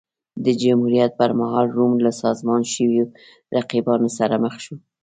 د جمهوریت پرمهال روم له سازمان شویو رقیبانو سره مخ شو